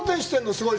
すごい。